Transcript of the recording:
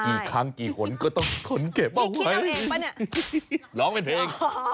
กี่ครั้งกี่หนก็ต้องทนเก็บเอาไว้นี่คิดทำเองปะเนี่ย